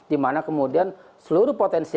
dimana kemudian seluruh potensi